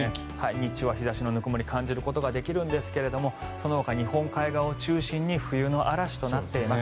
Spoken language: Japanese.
日中は日差しのぬくもり感じることができるんですがそのほか日本海側を中心に冬の嵐となっています。